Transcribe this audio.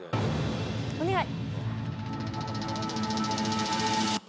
お願い。